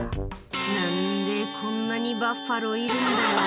「何でこんなにバッファローいるんだよ」